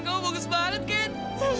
gawat kamu bagus banget ken